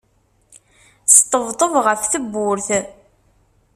Sṭebṭeb ɣef tewwurt.